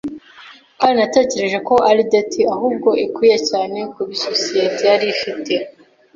Kandi natekereje ko ari ditty ahubwo ikwiye cyane kubisosiyete yari ifite